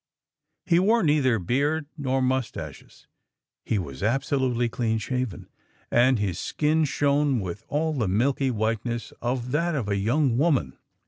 "He wore neither beard nor moustaches; he was absolutely clean shaven, and his skin shone with all the milky whiteness of that of a young woman.